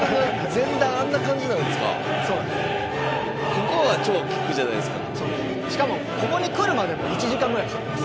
ここは超聴くじゃないですか。